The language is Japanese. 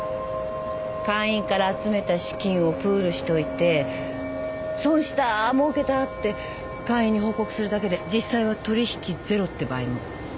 会員から集めた資金をプールしといて損したもうけたって会員に報告するだけで実際は取引ゼロって場合も。